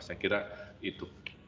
saya kira itu